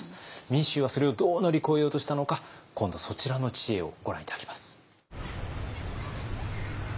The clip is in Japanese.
民衆はそれをどう乗り越えようとしたのか今度そちらの知恵をご覧頂きます。